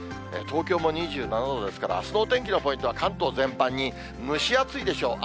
東京も２７度ですから、あすのお天気のポイントは、関東全般に蒸し暑いでしょう。